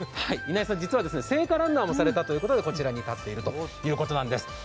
稲井さん、実は聖火ランナーもされたということでこちらに立っているということなんです。